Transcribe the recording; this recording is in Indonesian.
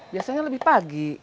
biasanya lebih pagi